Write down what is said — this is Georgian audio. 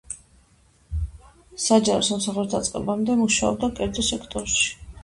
საჯარო სამსახურის დაწყებამდე მუშაობდა კერძო სექტორში.